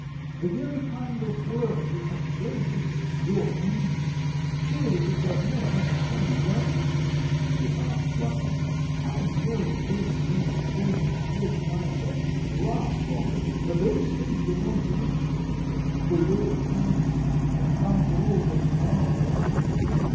The very kind of work you have chosen your painting surely it does not satisfy you, does it?" she asked, laughing. "I know paint makes things look nicer and last longer, but those things belong to rich people who live in towns, and after all they are luxuries.